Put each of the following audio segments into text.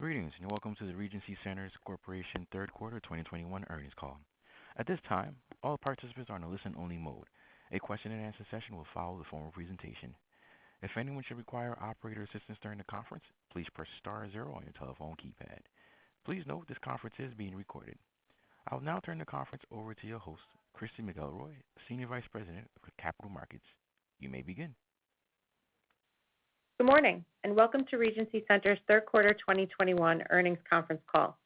Greetings, and welcome to the Regency Centers Corporation third quarter 2021 earnings call. At this time, all participants are on a listen only mode. A question-and-answer session will follow the formal presentation. If anyone should require operator assistance during the conference, please press star zero on your telephone keypad. Please note this conference is being recorded. I will now turn the conference over to your host, Christy McElroy, Senior Vice President of Capital Markets. You may begin. Good morning, and welcome to Regency Centers' third quarter 2021 earnings conference call.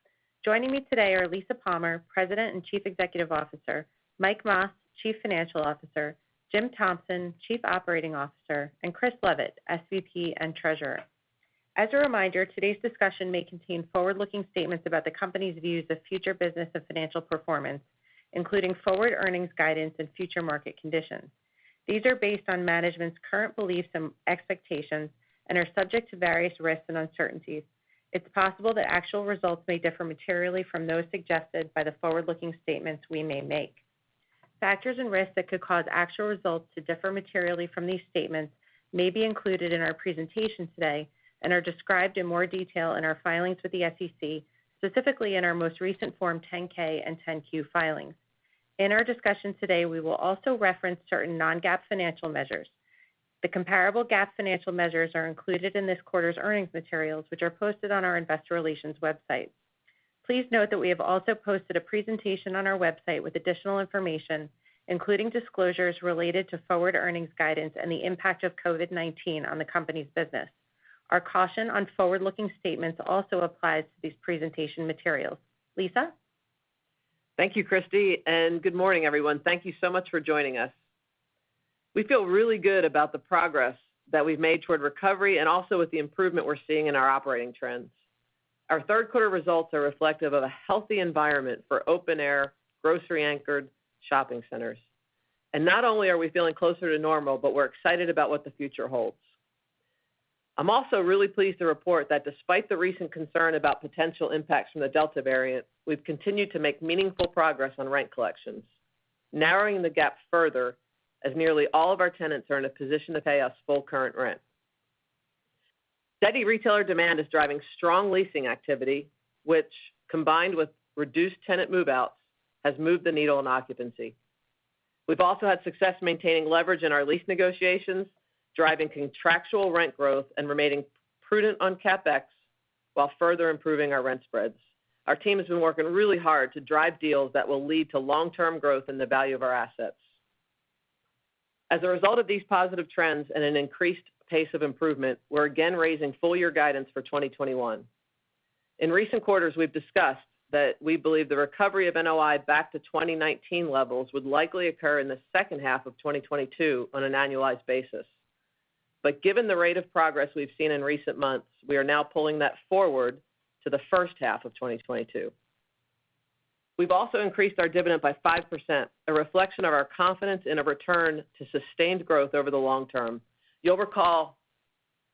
Joining me today are Lisa Palmer, President and Chief Executive Officer, Mike Mas, Chief Financial Officer, Jim Thompson, Chief Operating Officer, and Chris Leavitt, SVP and Treasurer. As a reminder, today's discussion may contain forward-looking statements about the company's views of future business and financial performance, including forward earnings guidance and future market conditions. These are based on management's current beliefs and expectations and are subject to various risks and uncertainties. It's possible that actual results may differ materially from those suggested by the forward-looking statements we may make. Factors and risks that could cause actual results to differ materially from these statements may be included in our presentation today and are described in more detail in our filings with the SEC, specifically in our most recent form 10-K and 10-Q filings. In our discussion today, we will also reference certain non-GAAP financial measures. The comparable GAAP financial measures are included in this quarter's earnings materials, which are posted on our Investor Relations website. Please note that we have also posted a presentation on our website with additional information, including disclosures related to forward earnings guidance and the impact of COVID-19 on the company's business. Our caution on forward-looking statements also applies to these presentation materials. Lisa? Thank you, Christy, and good morning, everyone. Thank you so much for joining us. We feel really good about the progress that we've made toward recovery and also with the improvement we're seeing in our operating trends. Our third quarter results are reflective of a healthy environment for open air, grocery anchored shopping centers. Not only are we feeling closer to normal, but we're excited about what the future holds. I'm also really pleased to report that despite the recent concern about potential impacts from the Delta variant, we've continued to make meaningful progress on rent collections, narrowing the gap further as nearly all of our tenants are in a position to pay us full current rent. Steady retailer demand is driving strong leasing activity, which, combined with reduced tenant move-outs, has moved the needle on occupancy. We've also had success maintaining leverage in our lease negotiations, driving contractual rent growth, and remaining prudent on CapEx while further improving our rent spreads. Our team has been working really hard to drive deals that will lead to long-term growth in the value of our assets. As a result of these positive trends and an increased pace of improvement, we're again raising full year guidance for 2021. In recent quarters, we've discussed that we believe the recovery of NOI back to 2019 levels would likely occur in the second half of 2022 on an annualized basis. Given the rate of progress we've seen in recent months, we are now pulling that forward to the first half of 2022. We've also increased our dividend by 5%, a reflection of our confidence in a return to sustained growth over the long term. You'll recall,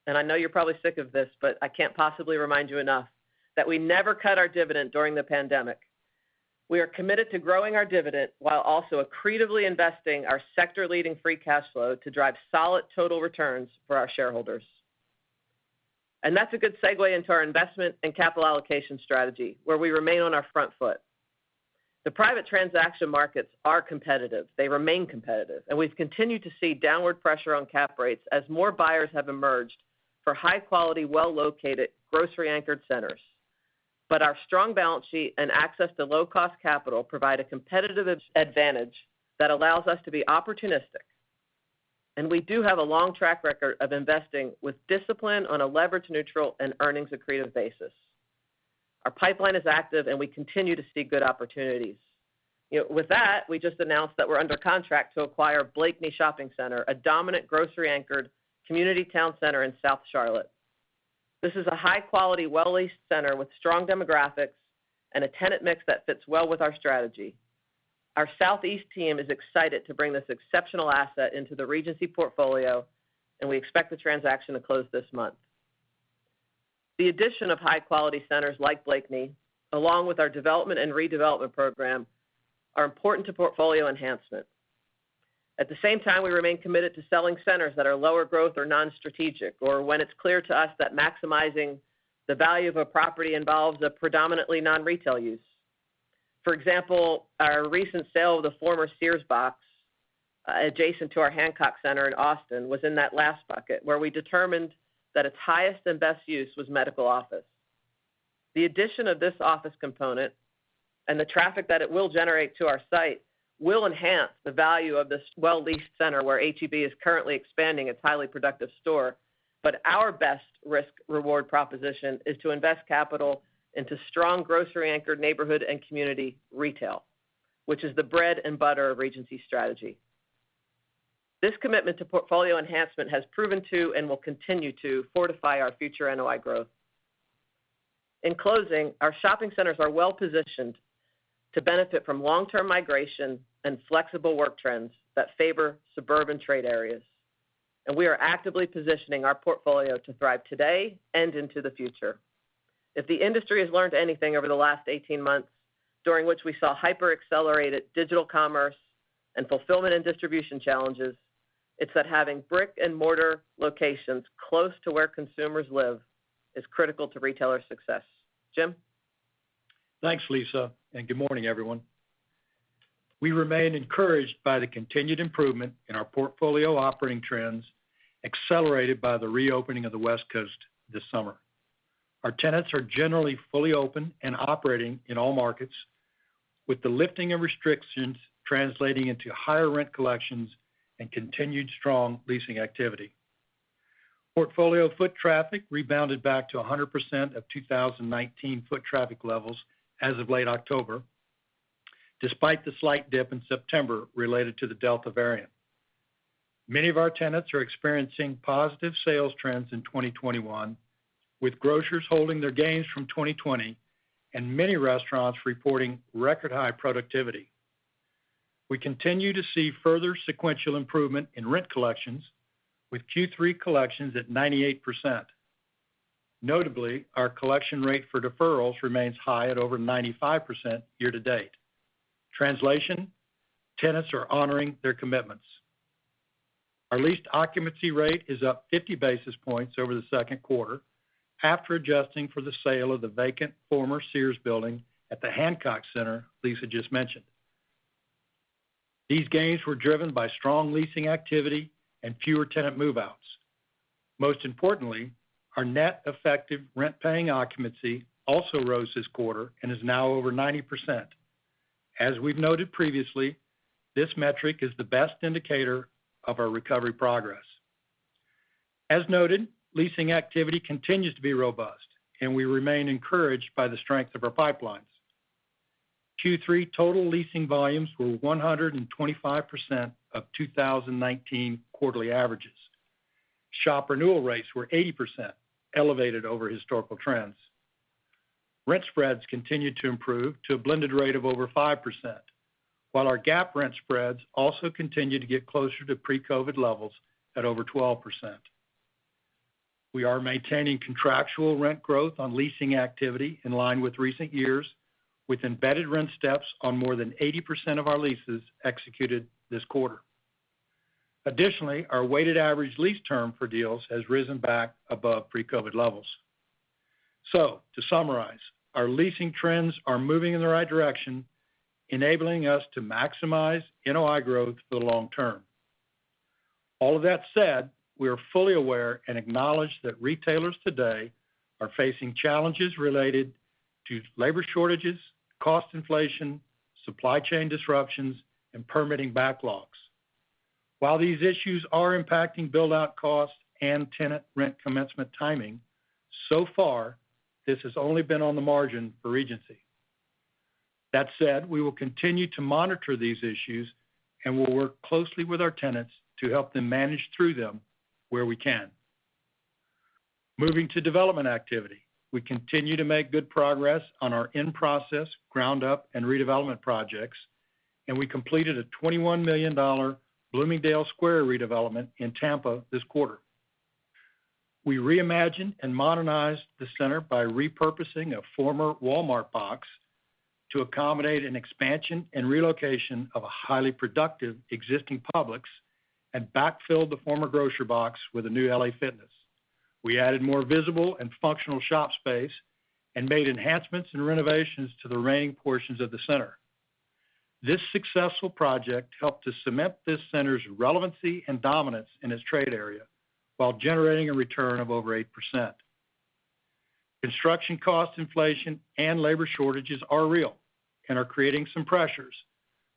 and I know you're probably sick of this, but I can't possibly remind you enough, that we never cut our dividend during the pandemic. We are committed to growing our dividend while also accretively investing our sector-leading free cash flow to drive solid total returns for our shareholders. That's a good segue into our investment and capital allocation strategy, where we remain on our front foot. The private transaction markets are competitive, they remain competitive, and we've continued to see downward pressure on cap rates as more buyers have emerged for high quality, well-located grocery anchored centers. But our strong balance sheet and access to low cost capital provide a competitive advantage that allows us to be opportunistic. We do have a long track record of investing with discipline on a leverage neutral and earnings accretive basis. Our pipeline is active, and we continue to see good opportunities. With that, we just announced that we're under contract to acquire Blakeney Shopping Center, a dominant grocery anchored community town center in South Charlotte. This is a high quality, well-leased center with strong demographics and a tenant mix that fits well with our strategy. Our Southeast team is excited to bring this exceptional asset into the Regency portfolio, and we expect the transaction to close this month. The addition of high quality centers like Blakeney, along with our development and redevelopment program, are important to portfolio enhancement. At the same time, we remain committed to selling centers that are lower growth or non-strategic, or when it's clear to us that maximizing the value of a property involves a predominantly non-retail use. For example, our recent sale of the former Sears box adjacent to our Hancock Center in Austin was in that last bucket, where we determined that its highest and best use was medical office. The addition of this office component and the traffic that it will generate to our site will enhance the value of this well-leased center where H-E-B is currently expanding its highly productive store. Our best risk-reward proposition is to invest capital into strong grocery-anchored neighborhood and community retail, which is the bread and butter of Regency strategy. This commitment to portfolio enhancement has proven true and will continue to fortify our future NOI growth. In closing, our shopping centers are well-positioned to benefit from long-term migration and flexible work trends that favor suburban trade areas. We are actively positioning our portfolio to thrive today and into the future. If the industry has learned anything over the last 18 months, during which we saw hyper-accelerated digital commerce and fulfillment and distribution challenges, it's that having brick-and-mortar locations close to where consumers live is critical to retailer success. Jim? Thanks, Lisa, and good morning, everyone. We remain encouraged by the continued improvement in our portfolio operating trends, accelerated by the reopening of the West Coast this summer. Our tenants are generally fully open and operating in all markets, with the lifting of restrictions translating into higher rent collections and continued strong leasing activity. Portfolio foot traffic rebounded back to 100% of 2019 foot traffic levels as of late October, despite the slight dip in September related to the Delta variant. Many of our tenants are experiencing positive sales trends in 2021, with grocers holding their gains from 2020 and many restaurants reporting record high productivity. We continue to see further sequential improvement in rent collections, with Q3 collections at 98%. Notably, our collection rate for deferrals remains high at over 95% year to date. Translation, tenants are honoring their commitments. Our leased occupancy rate is up 50 basis points over the second quarter after adjusting for the sale of the vacant former Sears building at the Hancock Center Lisa just mentioned. These gains were driven by strong leasing activity and fewer tenant move-outs. Most importantly, our net effective rent-paying occupancy also rose this quarter and is now over 90%. As we've noted previously, this metric is the best indicator of our recovery progress. As noted, leasing activity continues to be robust, and we remain encouraged by the strength of our pipelines. Q3 total leasing volumes were 125% of 2019 quarterly averages. Shop renewal rates were 80% elevated over historical trends. Rent spreads continued to improve to a blended rate of over 5%, while our gap rent spreads also continued to get closer to pre-COVID levels at over 12%. We are maintaining contractual rent growth on leasing activity in line with recent years, with embedded rent steps on more than 80% of our leases executed this quarter. Additionally, our weighted average lease term for deals has risen back above pre-COVID levels. To summarize, our leasing trends are moving in the right direction, enabling us to maximize NOI growth for the long term. All of that said, we are fully aware and acknowledge that retailers today are facing challenges related to labor shortages, cost inflation, supply chain disruptions, and permitting backlogs. While these issues are impacting build-out costs and tenant rent commencement timing, so far, this has only been on the margin for Regency. That said, we will continue to monitor these issues and we'll work closely with our tenants to help them manage through them where we can. Moving to development activity. We continue to make good progress on our in-process ground-up and redevelopment projects, and we completed a $21 million Bloomingdale Square redevelopment in Tampa this quarter. We reimagined and modernized the center by repurposing a former Walmart box to accommodate an expansion and relocation of a highly productive existing Publix and backfilled the former grocery box with a new LA Fitness. We added more visible and functional shop space and made enhancements and renovations to the remaining portions of the center. This successful project helped to cement this center's relevancy and dominance in its trade area while generating a return of over 8%. Construction cost inflation and labor shortages are real and are creating some pressures,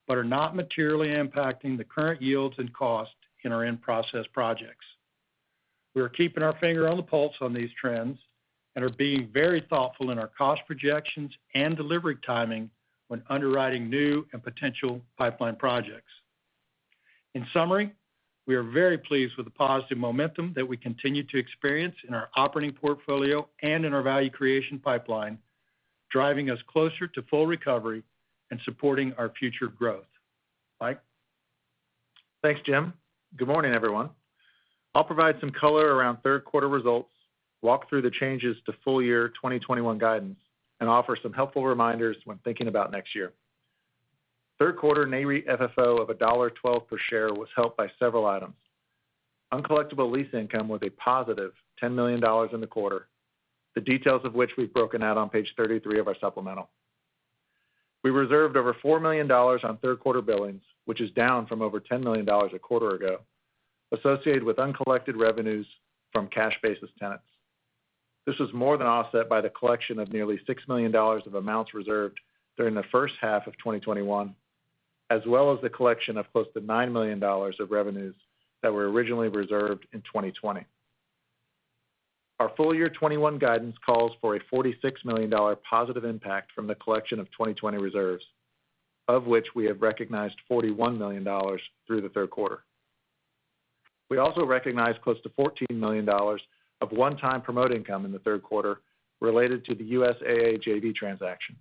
but are not materially impacting the current yields and cost in our in-process projects. We are keeping our finger on the pulse on these trends and are being very thoughtful in our cost projections and delivery timing when underwriting new and potential pipeline projects. In summary, we are very pleased with the positive momentum that we continue to experience in our operating portfolio and in our value creation pipeline, driving us closer to full recovery and supporting our future growth. Mike? Thanks, Jim. Good morning, everyone. I'll provide some color around third quarter results, walk through the changes to full year 2021 guidance, and offer some helpful reminders when thinking about next year. Third quarter Nareit FFO of $1.12 per share was helped by several items. Uncollectible lease income was a positive $10 million in the quarter, the details of which we've broken out on page 33 of our supplemental. We reserved over $4 million on third quarter billings, which is down from over $10 million a quarter ago, associated with uncollected revenues from cash basis tenants. This was more than offset by the collection of nearly $6 million of amounts reserved during the first half of 2021, as well as the collection of close to $9 million of revenues that were originally reserved in 2020. Our full year 2021 guidance calls for a $46 million positive impact from the collection of 2020 reserves, of which we have recognized $41 million through the third quarter. We also recognized close to $14 million of one-time promote income in the third quarter related to the USAA JV transaction,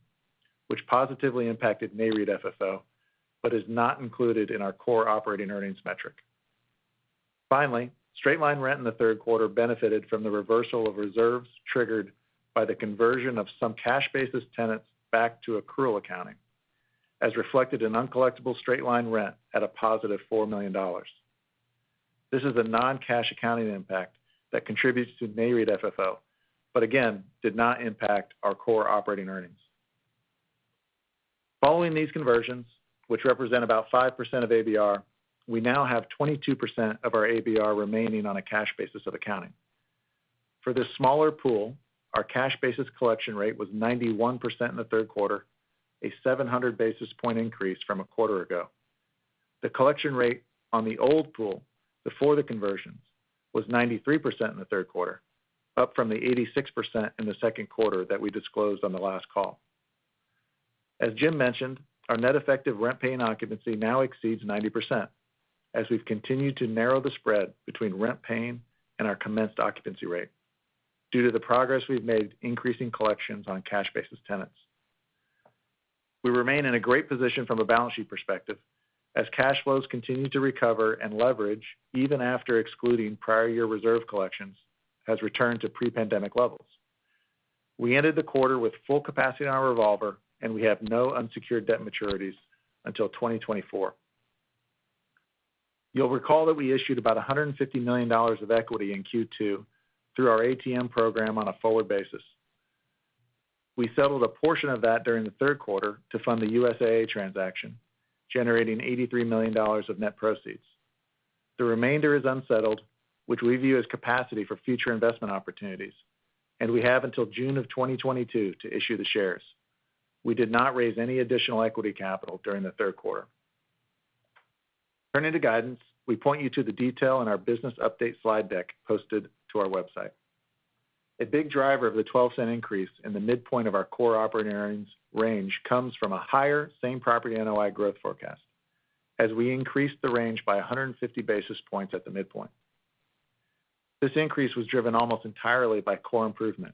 which positively impacted Nareit FFO, but is not included in our core operating earnings metric. Finally, straight-line rent in the third quarter benefited from the reversal of reserves triggered by the conversion of some cash basis tenants back to accrual accounting, as reflected in uncollectible straight-line rent at a positive $4 million. This is a non-cash accounting impact that contributes to Nareit FFO, but again, did not impact our core operating earnings. Following these conversions, which represent about 5% of ABR, we now have 22% of our ABR remaining on a cash basis of accounting. For this smaller pool, our cash basis collection rate was 91% in the third quarter, a 700 basis point increase from a quarter ago. The collection rate on the old pool before the conversions was 93% in the third quarter, up from the 86% in the second quarter that we disclosed on the last call. As Jim mentioned, our net effective rent paying occupancy now exceeds 90% as we've continued to narrow the spread between rent paying and our commenced occupancy rate due to the progress we've made increasing collections on cash basis tenants. We remain in a great position from a balance sheet perspective as cash flows continue to recover and leverage, even after excluding prior year reserve collections, has returned to pre-pandemic levels. We ended the quarter with full capacity on our revolver, and we have no unsecured debt maturities until 2024. You'll recall that we issued about $150 million of equity in Q2 through our ATM program on a forward basis. We settled a portion of that during the third quarter to fund the USAA transaction, generating $83 million of net proceeds. The remainder is unsettled, which we view as capacity for future investment opportunities, and we have until June 2022 to issue the shares. We did not raise any additional equity capital during the third quarter. Turning to guidance, we point you to the detail in our business update slide deck posted to our website. A big driver of the $0.12 increase in the midpoint of our core operating earnings range comes from a higher same property NOI growth forecast as we increased the range by 150 basis points at the midpoint. This increase was driven almost entirely by core improvement,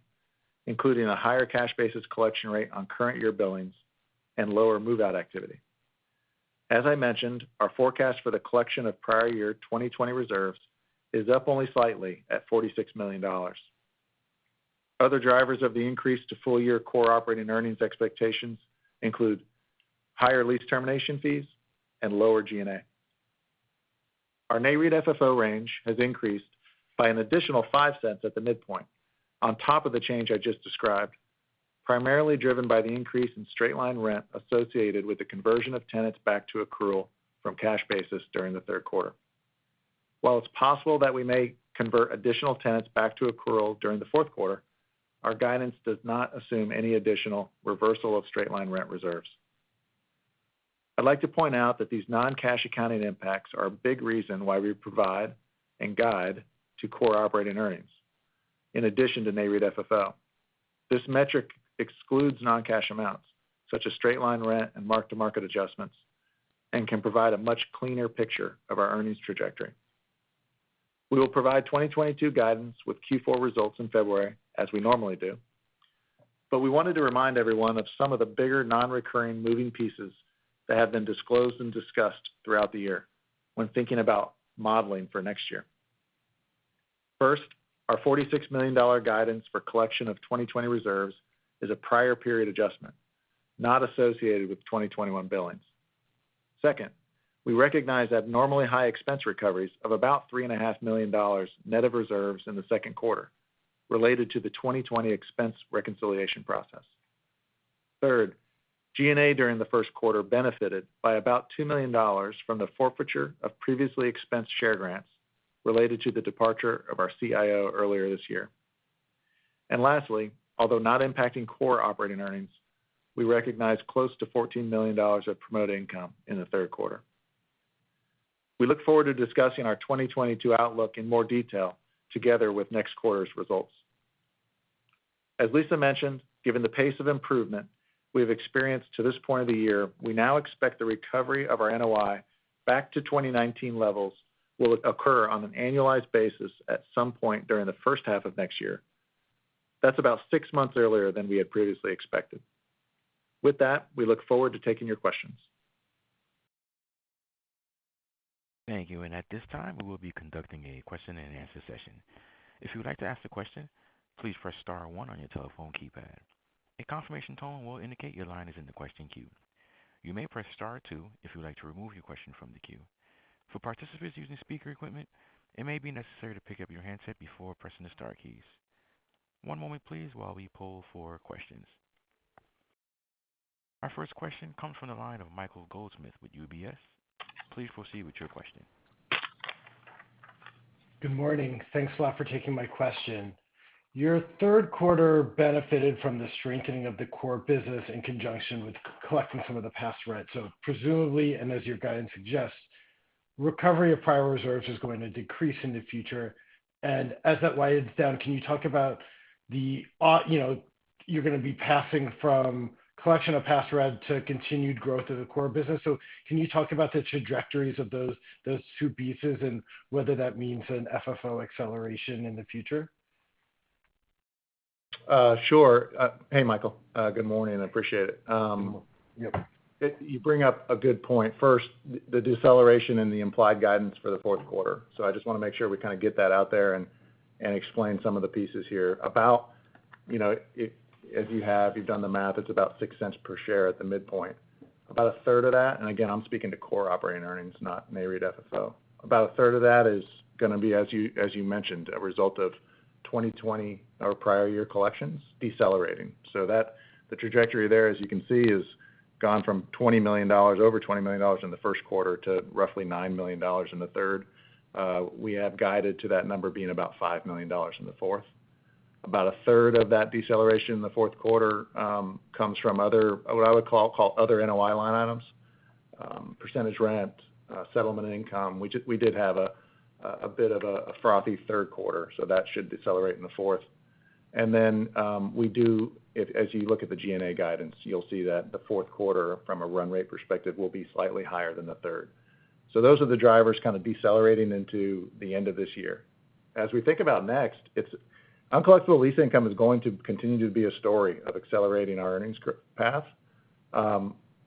including a higher cash basis collection rate on current year billings and lower move-out activity. As I mentioned, our forecast for the collection of prior year 2020 reserves is up only slightly at $46 million. Other drivers of the increase to full year core operating earnings expectations include higher lease termination fees and lower G&A. Our Nareit FFO range has increased by an additional $0.05 at the midpoint on top of the change I just described, primarily driven by the increase in straight line rent associated with the conversion of tenants back to accrual from cash basis during the third quarter. While it's possible that we may convert additional tenants back to accrual during the fourth quarter, our guidance does not assume any additional reversal of straight line rent reserves. I'd like to point out that these non-cash accounting impacts are a big reason why we provide and guide to core operating earnings in addition to Nareit FFO. This metric excludes non-cash amounts such as straight line rent and mark-to-market adjustments, and can provide a much cleaner picture of our earnings trajectory. We will provide 2022 guidance with Q4 results in February, as we normally do. We wanted to remind everyone of some of the bigger non-recurring moving pieces that have been disclosed and discussed throughout the year when thinking about modeling for next year. First, our $46 million guidance for collection of 2020 reserves is a prior period adjustment, not associated with 2021 billings. Second, we recognize abnormally high expense recoveries of about $3.5 million net of reserves in the second quarter related to the 2020 expense reconciliation process. Third, G&A during the first quarter benefited by about $2 million from the forfeiture of previously expensed share grants related to the departure of our CIO earlier this year. Lastly, although not impacting core operating earnings, we recognized close to $14 million of promote income in the third quarter. We look forward to discussing our 2022 outlook in more detail together with next quarter's results. As Lisa mentioned, given the pace of improvement we have experienced to this point of the year, we now expect the recovery of our NOI back to 2019 levels will occur on an annualized basis at some point during the first half of next year. That's about six months earlier than we had previously expected. With that, we look forward to taking your questions. Thank you. At this time, we will be conducting a question-and-answer session. If you would like to ask the question, please press star one on your telephone keypad. A confirmation tone will indicate your line is in the question queue. You may press star two if you would like to remove your question from the queue. For participants using speaker equipment, it may be necessary to pick up your handset before pressing the star keys. One moment please while we poll for questions. Our first question comes from the line of Michael Goldsmith with UBS. Please proceed with your question. Good morning. Thanks a lot for taking my question. Your third quarter benefited from the strengthening of the core business in conjunction with collecting some of the past rent. Presumably, and as your guidance suggests, recovery of prior reserves is going to decrease in the future. As that winds down, can you talk about the, you know, you're going to be passing from collection of past rent to continued growth of the core business. Can you talk about the trajectories of those two pieces and whether that means an FFO acceleration in the future? Sure. Hey, Michael, good morning. I appreciate it. Yep. You bring up a good point. First, the deceleration and the implied guidance for the fourth quarter. I just wanna make sure we kind of get that out there and explain some of the pieces here. About, you know, if you've done the math, it's about $0.06 per share at the midpoint. About a third of that, and again, I'm speaking to core operating earnings, not Nareit FFO. About a third of that is gonna be, as you mentioned, a result of 2020 or prior year collections decelerating. That, the trajectory there, as you can see, has gone from over $20 million in the first quarter to roughly $9 million in the third. We have guided to that number being about $5 million in the fourth. About a third of that deceleration in the fourth quarter comes from other, what I would call other NOI line items, percentage rent, settlement income. We did have a bit of a frothy third quarter, so that should decelerate in the fourth. Then, we do, as you look at the G&A guidance, you'll see that the fourth quarter from a run rate perspective will be slightly higher than the third. Those are the drivers kind of decelerating into the end of this year. As we think about next, it's uncollectible lease income is going to continue to be a story of accelerating our earnings path.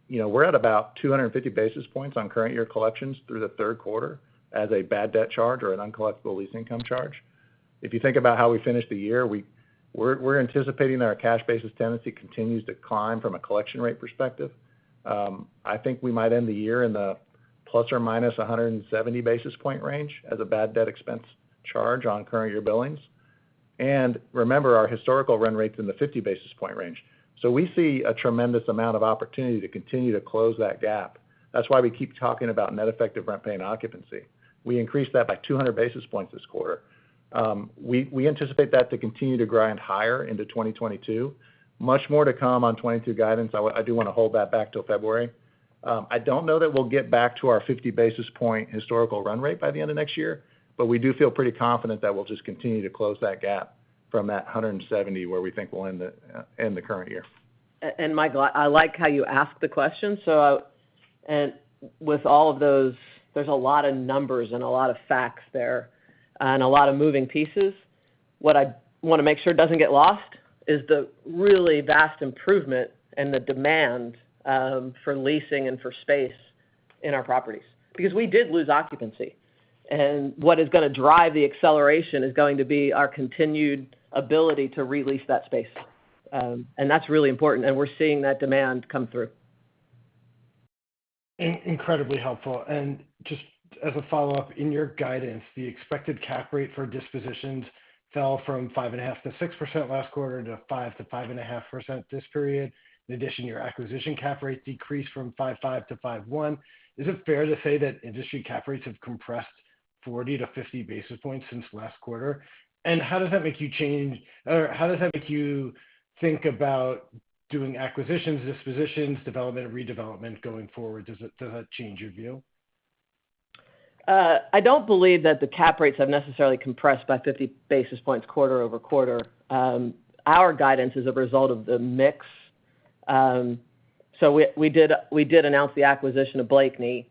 You know, we're at about 250 basis points on current year collections through the third quarter as a bad debt charge or an uncollectible lease income charge. If you think about how we finish the year, we're anticipating our cash basis tenancy continues to climb from a collection rate perspective. I think we might end the year in the ±170 basis point range as a bad debt expense charge on current year billings. Remember, our historical run rate's in the 50 basis point range. We see a tremendous amount of opportunity to continue to close that gap. That's why we keep talking about net effective rent paying occupancy. We increased that by 200 basis points this quarter. We anticipate that to continue to grind higher into 2022. Much more to come on 2022 guidance. I do wanna hold that back till February. I don't know that we'll get back to our 50 basis point historical run rate by the end of next year, but we do feel pretty confident that we'll just continue to close that gap from that 170 where we think we'll end the current year. Michael, I like how you ask the question. With all of those, there's a lot of numbers and a lot of facts there, and a lot of moving pieces. What I wanna make sure doesn't get lost is the really vast improvement and the demand for leasing and for space in our properties. Because we did lose occupancy. What is gonna drive the acceleration is going to be our continued ability to re-lease that space. That's really important, and we're seeing that demand come through. Incredibly helpful. Just as a follow-up, in your guidance, the expected cap rate for dispositions fell from 5.5%-6% last quarter to 5%-5.5% this period. In addition, your acquisition cap rate decreased from 5.5%-5.1%. Is it fair to say that industry cap rates have compressed 40-50 basis points since last quarter? How does that make you think about doing acquisitions, dispositions, development or redevelopment going forward? Does that change your view? I don't believe that the cap rates have necessarily compressed by 50 basis points quarter-over-quarter. Our guidance is a result of the mix. We did announce the acquisition of Blakeney,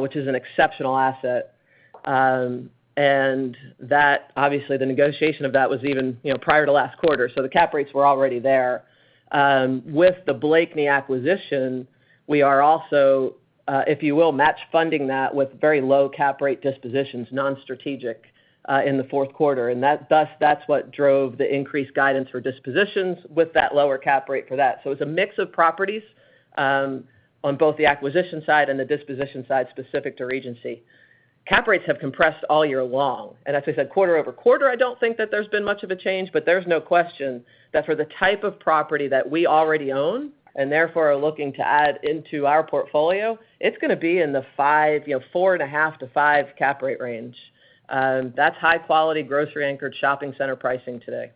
which is an exceptional asset. That obviously the negotiation of that was even, you know, prior to last quarter, so the cap rates were already there. With the Blakeney acquisition, we are also, if you will, match funding that with very low cap rate dispositions, non-strategic, in the fourth quarter. That, thus, that's what drove the increased guidance for dispositions with that lower cap rate for that. It's a mix of properties on both the acquisition side and the disposition side specific to Regency. Cap rates have compressed all year long. As I said, quarter-over-quarter, I don't think that there's been much of a change, but there's no question that for the type of property that we already own, and therefore are looking to add into our portfolio, it's gonna be in the 5, you know, 4.5%-5% cap rate range. That's high-quality grocery-anchored shopping center pricing today.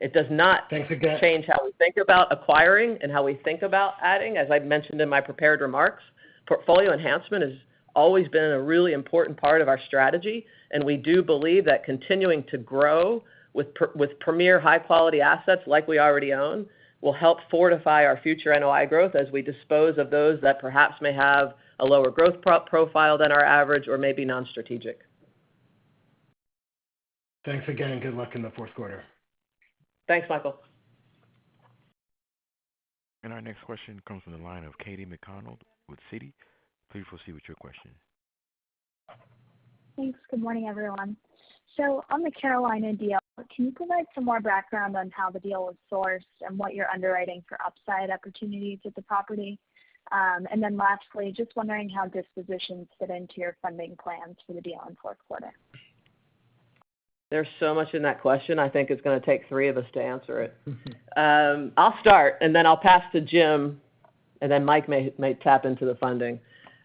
It does not. Thanks again.... change how we think about acquiring and how we think about adding. As I've mentioned in my prepared remarks, portfolio enhancement has always been a really important part of our strategy, and we do believe that continuing to grow with with premier high quality assets like we already own, will help fortify our future NOI growth as we dispose of those that perhaps may have a lower growth profile than our average or maybe non-strategic. Thanks again. Good luck in the fourth quarter. Thanks, Michael. Our next question comes from the line of Katy McConnell with Citi. Please proceed with your question. Thanks. Good morning, everyone. On the Carolina deal, can you provide some more background on how the deal was sourced and what you're underwriting for upside opportunities at the property? Lastly, just wondering how dispositions fit into your funding plans for the deal in fourth quarter? There's so much in that question, I think it's gonna take three of us to answer it. I'll start and then I'll pass to Jim, and then Mike may tap into the funding.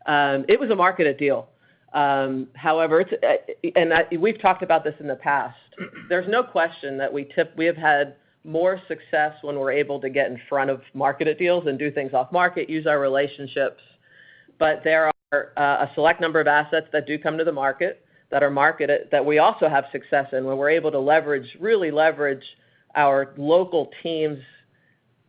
It was a marketed deal. However, we've talked about this in the past. There's no question that we have had more success when we're able to get in front of marketed deals and do things off market, use our relationships. But there are a select number of assets that do come to the market that are marketed that we also have success in, when we're able to leverage, really leverage our local teams.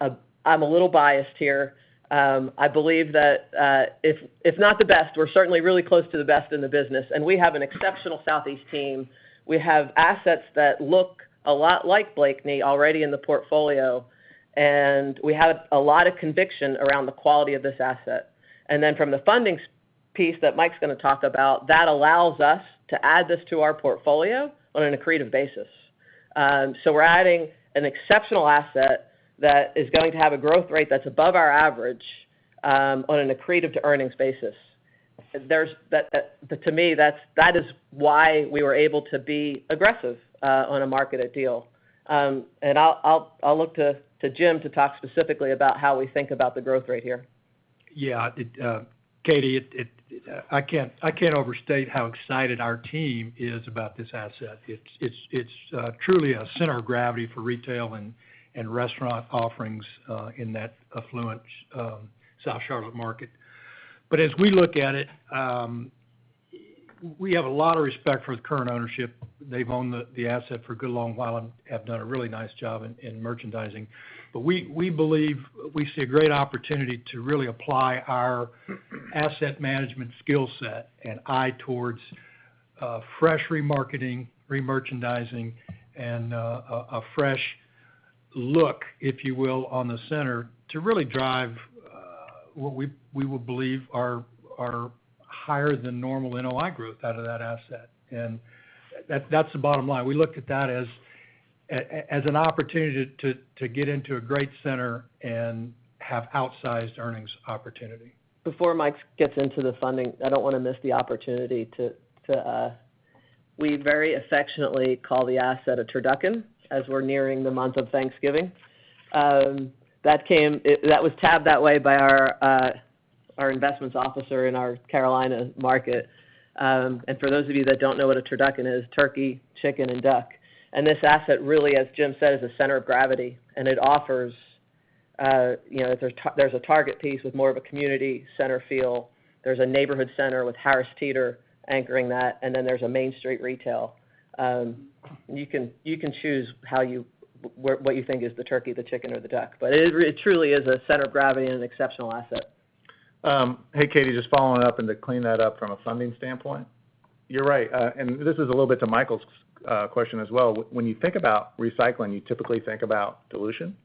I'm a little biased here. I believe that, if not the best, we're certainly really close to the best in the business, and we have an exceptional Southeast team. We have assets that look a lot like Blakeney already in the portfolio, and we have a lot of conviction around the quality of this asset. Then from the funding side that Mike's gonna talk about, that allows us to add this to our portfolio on an accretive basis. We're adding an exceptional asset that is going to have a growth rate that's above our average, on an accretive to earnings basis. To me, that's why we were able to be aggressive on a marketed deal. I'll look to Jim to talk specifically about how we think about the growth rate here. Yeah. Katy, I can't overstate how excited our team is about this asset. It's truly a center of gravity for retail and restaurant offerings in that affluent South Charlotte market. As we look at it, we have a lot of respect for the current ownership. They've owned the asset for a good long while and have done a really nice job in merchandising. We believe we see a great opportunity to really apply our asset management skill set and eye towards fresh remarketing, remerchandising, and a fresh look, if you will, on the center to really drive what we would believe are higher than normal NOI growth out of that asset. That's the bottom line. We look at that as an opportunity to get into a great center and have outsized earnings opportunity. Before Mike gets into the funding, I don't wanna miss the opportunity to, we very affectionately call the asset a turducken, as we're nearing the month of Thanksgiving. That was tabbed that way by our investments officer in our Carolina market. For those of you that don't know what a turducken is, turkey, chicken, and duck. This asset really, as Jim said, is a center of gravity, and it offers, you know, there's a target piece with more of a community center feel. There's a neighborhood center with Harris Teeter anchoring that, and then there's a Main Street retail. You can choose how you, what you think is the turkey, the chicken, or the duck. It truly is a center of gravity and an exceptional asset. Hey, Katy, just following up and to clean that up from a funding standpoint. You're right, and this is a little bit to Michael's question as well. When you think about recycling, you typically think about dilution.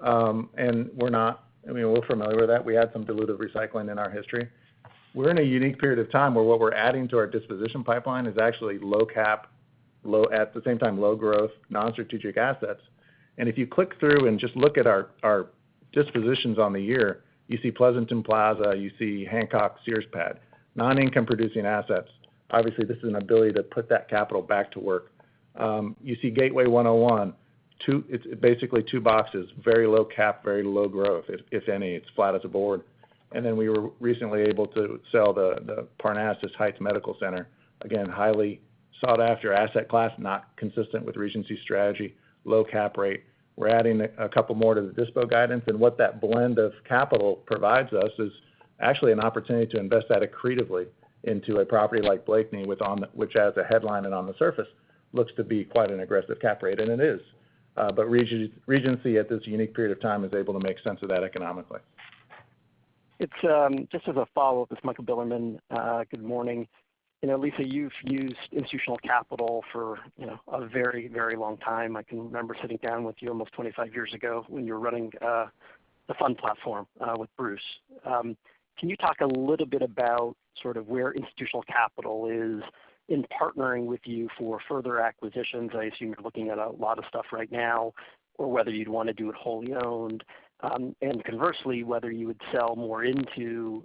We're not, I mean, we're familiar with that. We had some dilutive recycling in our history. We're in a unique period of time where what we're adding to our disposition pipeline is actually low cap, at the same time, low growth, non-strategic assets. If you click through and just look at our dispositions on the year, you see Pleasanton Plaza, you see Hancock Sears pad, non-income producing assets. Obviously, this is an ability to put that capital back to work. You see Gateway 101. It's basically two boxes, very low cap, very low growth, if any. It's flat as a board. Then we were recently able to sell the Parnassus Heights Medical Center. Again, highly sought after asset class, not consistent with Regency strategy, low cap rate. We're adding a couple more to the dispo guidance. What that blend of capital provides us is actually an opportunity to invest that accretively into a property like Blakeney, which as a headline and on the surface, looks to be quite an aggressive cap rate, and it is. Regency at this unique period of time is able to make sense of that economically. It's just as a follow-up. It's Michael Bilerman. Good morning. You know, Lisa, you've used institutional capital for, you know, a very, very long time. I can remember sitting down with you almost 25 years ago when you were running the fund platform with Bruce. Can you talk a little bit about sort of where institutional capital is in partnering with you for further acquisitions? I assume you're looking at a lot of stuff right now, or whether you'd wanna do it wholly owned. Conversely, whether you would sell more into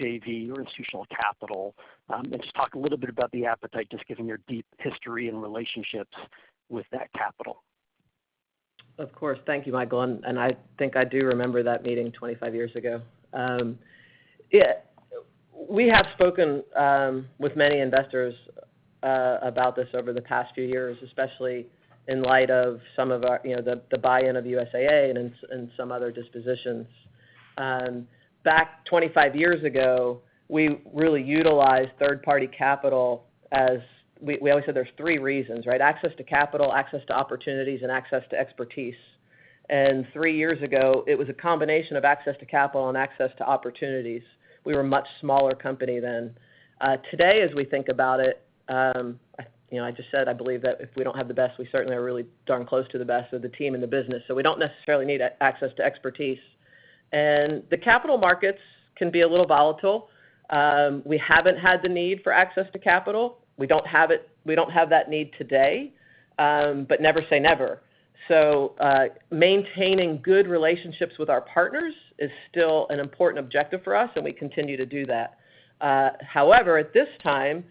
JV or institutional capital. Just talk a little bit about the appetite, just given your deep history and relationships with that capital. Of course. Thank you, Michael. I think I do remember that meeting 25 years ago. Yeah, we have spoken with many investors about this over the past few years, especially in light of some of our the buy-in of USAA and some other dispositions. Back 25 years ago, we really utilized third-party capital. We always said there's three reasons, right? Access to capital, access to opportunities, and access to expertise. Three years ago, it was a combination of access to capital and access to opportunities. We were a much smaller company then. Today, as we think about it, I, you know, I just said I believe that if we don't have the best, we certainly are really darn close to the best of the team and the business, so we don't necessarily need access to expertise. The capital markets can be a little volatile. We haven't had the need for access to capital. We don't have it. We don't have that need today, but never say never. Maintaining good relationships with our partners is still an important objective for us, and we continue to do that. However, at this time,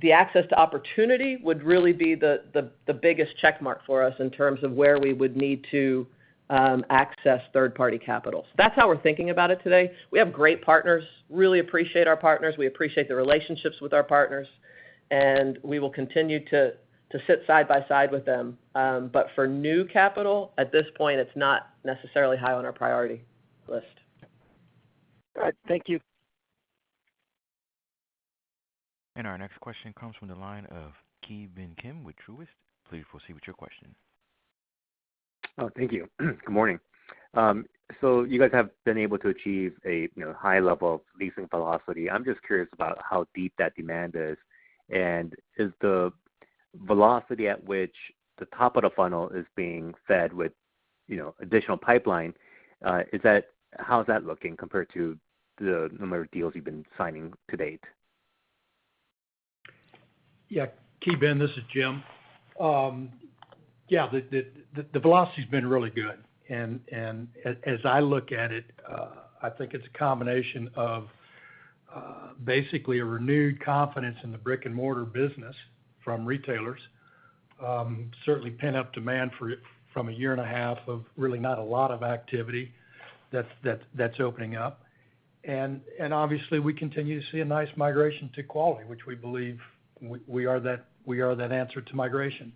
the access to opportunity would really be the biggest check mark for us in terms of where we would need to access third-party capital. That's how we're thinking about it today. We have great partners, really appreciate our partners. We appreciate the relationships with our partners, and we will continue to sit side by side with them. For new capital, at this point, it's not necessarily high on our priority list. All right. Thank you. Our next question comes from the line of Ki Bin Kim with Truist. Please proceed with your question. Oh, thank you. Good morning. So you guys have been able to achieve a, you know, high level of leasing velocity. I'm just curious about how deep that demand is. Is the velocity at which the top of the funnel is being fed with, you know, additional pipeline how's that looking compared to the number of deals you've been signing to date? Yeah. Ki Bin Kim, this is Jim. Yeah, the velocity's been really good. As I look at it, I think it's a combination of basically a renewed confidence in the brick-and-mortar business from retailers. Certainly pent-up demand for it from a year and a half of really not a lot of activity that's opening up. Obviously, we continue to see a nice migration to quality, which we believe we are that answer to migration.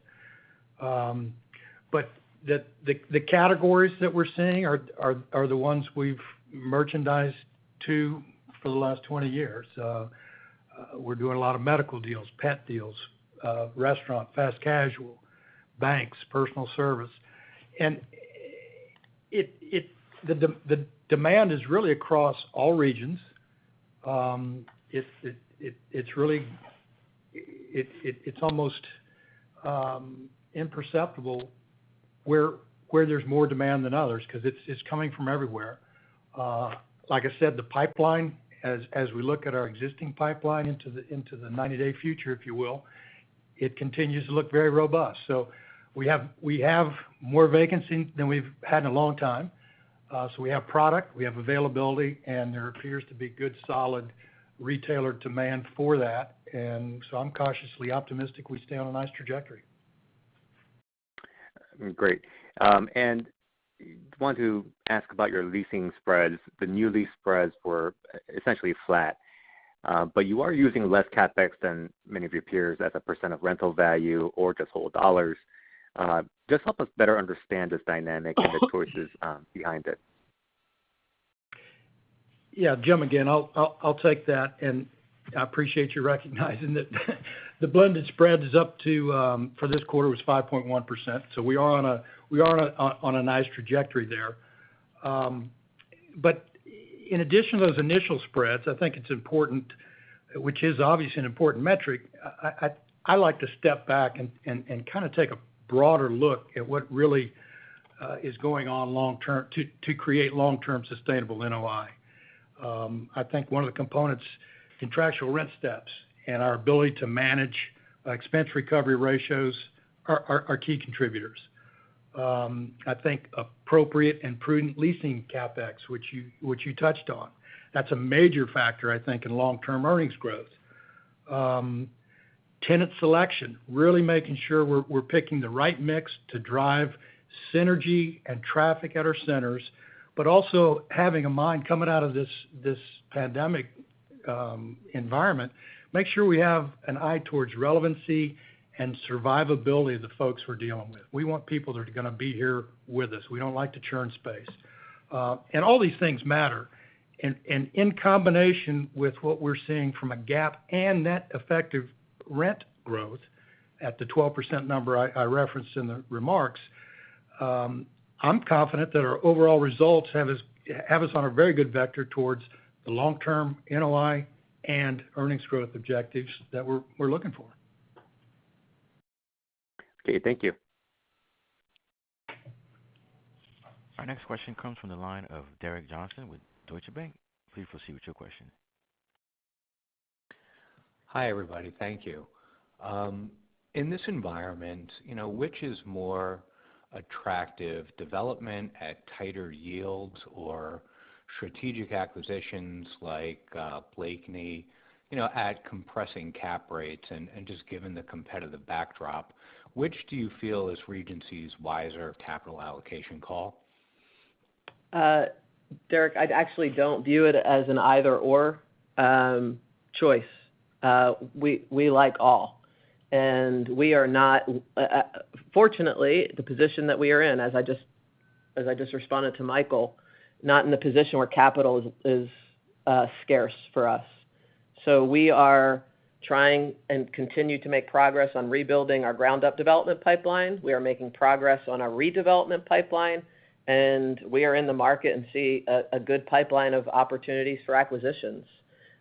But the categories that we're seeing are the ones we've merchandised to for the last 20 years. We're doing a lot of medical deals, pet deals, restaurant, fast casual, banks, personal service. The demand is really across all regions. It's really... It's almost imperceptible where there's more demand than others because it's coming from everywhere. Like I said, the pipeline, as we look at our existing pipeline into the 90-day future, if you will, it continues to look very robust. We have more vacancy than we've had in a long time. We have product, we have availability, and there appears to be good, solid retailer demand for that. I'm cautiously optimistic we stay on a nice trajectory. Great. Wanted to ask about your leasing spreads. The new lease spreads were essentially flat, but you are using less CapEx than many of your peers as a percent of rental value or just total dollars. Just help us better understand this dynamic and the choices behind it. Yeah. Jim again. I'll take that, and I appreciate you recognizing that the blended spread is up to, for this quarter, was 5.1%. We are on a nice trajectory there. In addition to those initial spreads, I think it's important, which is obviously an important metric. I like to step back and kind of take a broader look at what really is going on long-term to create long-term sustainable NOI. I think one of the components, contractual rent steps and our ability to manage expense recovery ratios are key contributors. I think appropriate and prudent leasing CapEx, which you touched on, that's a major factor, I think, in long-term earnings growth. Tenant selection, really making sure we're picking the right mix to drive synergy and traffic at our centers, but also having a mind, coming out of this pandemic environment, make sure we have an eye towards relevancy and survivability of the folks we're dealing with. We want people that are gonna be here with us. We don't like to churn space. All these things matter. In combination with what we're seeing from a GAAP and net effective rent growth at the 12% number I referenced in the remarks, I'm confident that our overall results have us on a very good vector towards the long-term NOI and earnings growth objectives that we're looking for. Okay, thank you. Our next question comes from the line of Derek Johnston with Deutsche Bank. Please proceed with your question. Hi, everybody. Thank you. In this environment, you know, which is more attractive, development at tighter yields or strategic acquisitions like Blakeney, you know, at compressing cap rates and just given the competitive backdrop, which do you feel is Regency's wiser capital allocation call? Derek, I actually don't view it as an either/or choice. We like all. We are not in the position where capital is scarce for us. Fortunately, the position that we are in, as I just responded to Michael, we are not in the position where capital is scarce for us. We are trying and continue to make progress on rebuilding our ground-up development pipeline. We are making progress on our redevelopment pipeline, and we are in the market and see a good pipeline of opportunities for acquisitions.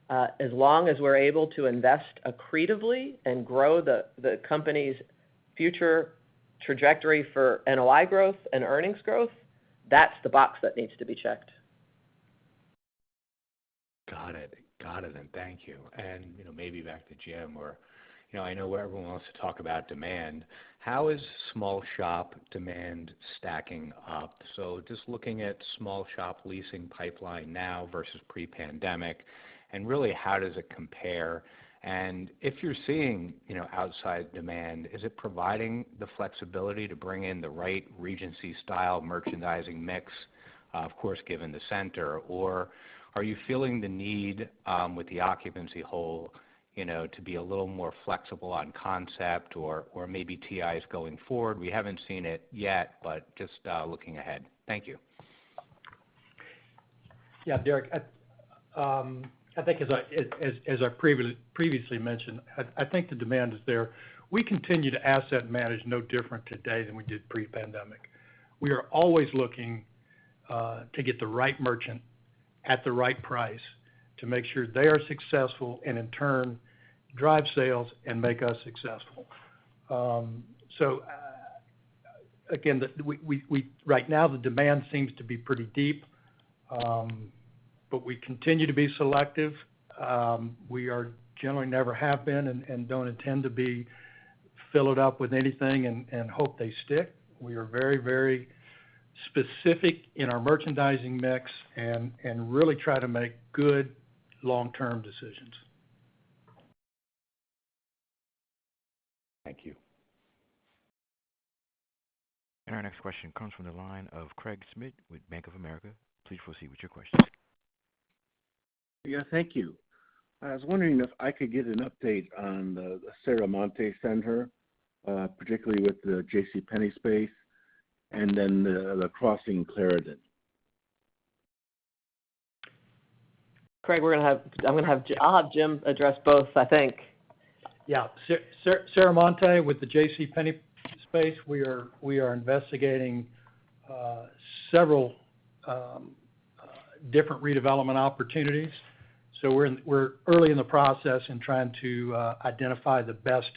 As long as we're able to invest accretively and grow the company's future trajectory for NOI growth and earnings growth, that's the box that needs to be checked. Got it. Thank you. You know, maybe back to Jim, or you know, I know everyone wants to talk about demand. How is small shop demand stacking up? just looking at small shop leasing pipeline now versus pre-pandemic, and really, how does it compare? if you're seeing, you know, outside demand, is it providing the flexibility to bring in the right Regency style merchandising mix, of course, given the center? Or are you feeling the need, with the occupancy hole, you know, to be a little more flexible on concept or maybe TIs going forward? We haven't seen it yet, but just looking ahead. Thank you. Yeah, Derek, I think as I previously mentioned, I think the demand is there. We continue to asset manage no different today than we did pre-pandemic. We are always looking to get the right merchant at the right price to make sure they are successful and in turn drive sales and make us successful. Again, right now, the demand seems to be pretty deep, but we continue to be selective. We have generally never been and don't intend to fill it up with anything and hope they stick. We are very, very specific in our merchandising mix and really try to make good long-term decisions. Thank you. Our next question comes from the line of Craig Schmidt with Bank of America. Please proceed with your question. Yeah, thank you. I was wondering if I could get an update on the Serramonte Center, particularly with the JCPenney space, and then The Crossing Clarendon. Craig, I'll have Jim address both, I think. Serramonte with the JCPenney space, we are investigating several different redevelopment opportunities. We're early in the process in trying to identify the best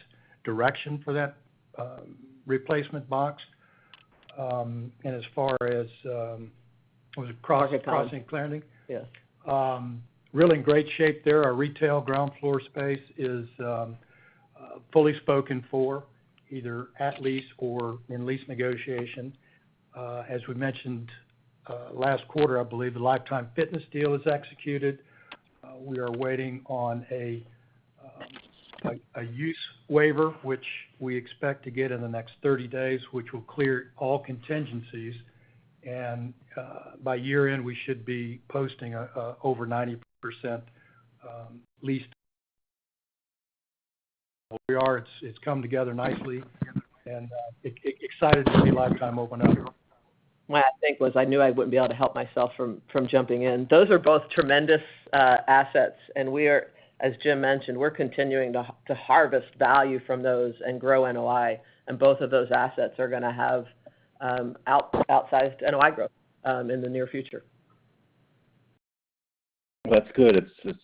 direction for that replacement box. As far as was it Crossing- Crossing Clarendon? Yes. Really in great shape there. Our retail ground floor space is fully spoken for either at lease or in lease negotiation. As we mentioned last quarter, I believe the Life Time deal is executed. We are waiting on a use waiver, which we expect to get in the next 30 days, which will clear all contingencies. By year-end, we should be posting over 90% leased. It's come together nicely, and excited to see Life Time open up. I knew I wouldn't be able to help myself from jumping in. Those are both tremendous assets, and as Jim mentioned, we're continuing to harvest value from those and grow NOI. Both of those assets are gonna have outsized NOI growth in the near future. That's good. It's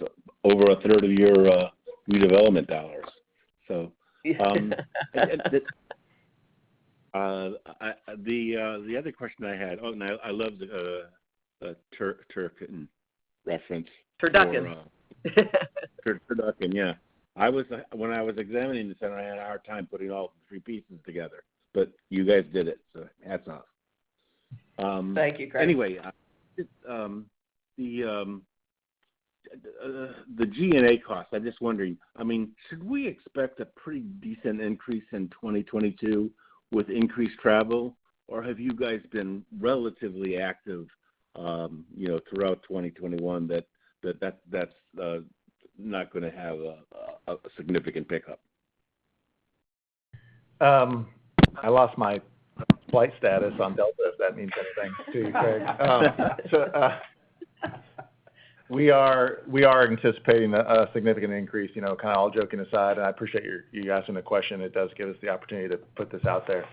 over a third of your redevelopment dollars. The other question I had. Oh, and I loved turk reference. Turducken. Turducken, yeah. When I was examining the center, I had a hard time putting all the three pieces together, but you guys did it, so hats off. Thank you, Craig. Anyway, the G&A cost, I'm just wondering, I mean, should we expect a pretty decent increase in 2022 with increased travel, or have you guys been relatively active, you know, throughout 2021 that that's not gonna have a significant pickup? I lost my flight status on Delta, if that means anything to you, Craig. We are anticipating a significant increase. You know, kind of all joking aside, I appreciate you asking the question. It does give us the opportunity to put this out there.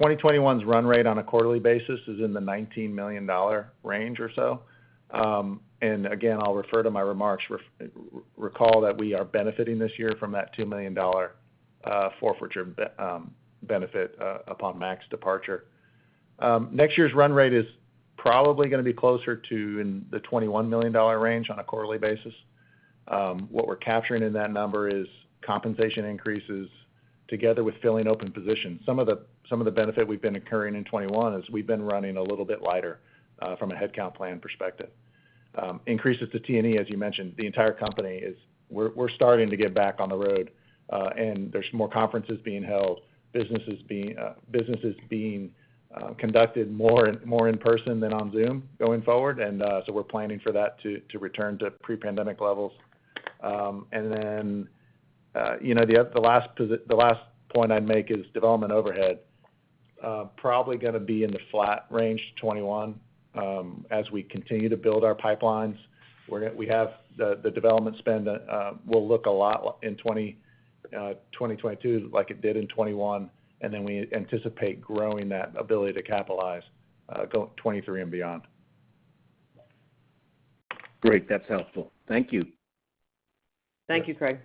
2021's run rate on a quarterly basis is in the $19 million range or so. Again, I'll refer to my remarks. Recall that we are benefiting this year from that $2 million forfeiture benefit upon Mac's departure. Next year's run rate is probably gonna be closer to in the $21 million range on a quarterly basis. What we're capturing in that number is compensation increases together with filling open positions. Some of the benefit we've been incurring in 2021 is we've been running a little bit lighter from a headcount plan perspective. Increases to T&E, as you mentioned, the entire company, we're starting to get back on the road, and there's more conferences being held, businesses being conducted more in person than on Zoom going forward. We're planning for that to return to pre-pandemic levels. The last point I'd make is development overhead. Probably gonna be in the flat range 2021, as we continue to build our pipelines. We have the development spend will look a lot in 2022 like it did in 2021, and then we anticipate growing that ability to capitalize into 2023 and beyond. Great. That's helpful. Thank you. Thank you, Craig.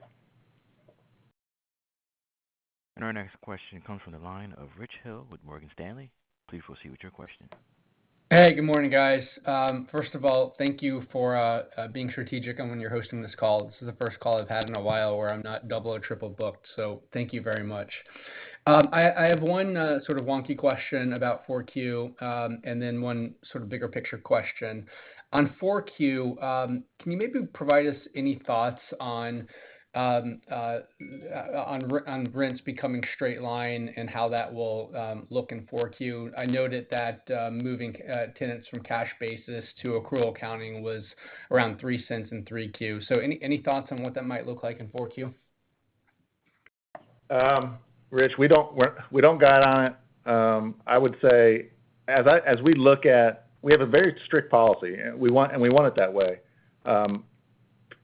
Our next question comes from the line of Rich Hill with Morgan Stanley. Please proceed with your question. Hey, good morning, guys. First of all, thank you for being strategic on when you're hosting this call. This is the first call I've had in a while where I'm not double or triple booked, so thank you very much. I have one sort of wonky question about 4Q, and then one sort of bigger picture question. On 4Q, can you maybe provide us any thoughts on rents becoming straight line and how that will look in 4Q? I noted that moving tenants from cash basis to accrual accounting was around $0.03 in 3Q. So any thoughts on what that might look like in 4Q? Rich, we don't guide on it. I would say we have a very strict policy, we want it that way.